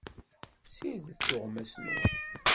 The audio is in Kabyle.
Ssirdet tuɣmas-nwen.